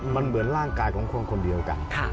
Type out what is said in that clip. มันเหมือนร่างกายของคนคนเดียวกัน